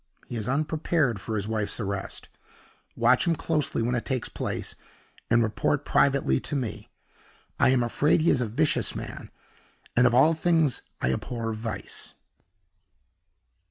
He is unprepared for his wife's arrest. Watch him closely when it takes place, and report privately to me. I am afraid he is a vicious man; and of all things I abhor Vice."